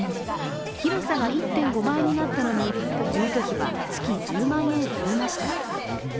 広さが１．５倍になったのに、住居費は月１０万円減りました。